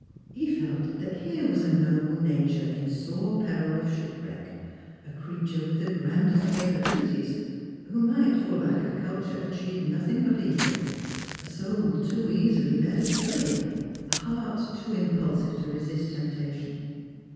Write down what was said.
He felt that here was a noble nature in sore peril of shipo ^reck, a creature with the grandest capabilities, vAio might lor 60 Strangers and Pilgrims. lack of culture achieve nothing but evil; a soul too easily led astray, a heart too impulsive to resist temptation.